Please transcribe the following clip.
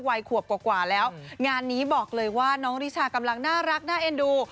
วัยขวบกว่าแล้วงานนี้บอกเลยว่าน้องริชากำลังน่ารักน่าเอ็นดู